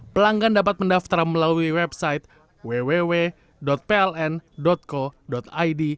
pelanggan dapat mendaftar melalui website www pln co id